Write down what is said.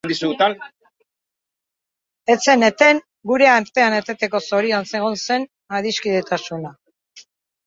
Ez zen eten gure artean eteteko zorian egon zen adiskidetasuna.